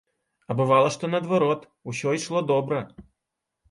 А бывала, што, наадварот, усё ішло добра.